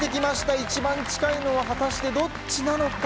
一番近いのは果たしてどっちなのか？